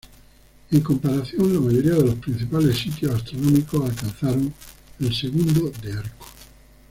En comparación, la mayoría de los principales sitios astronómicos alcanzan el segundo de arco.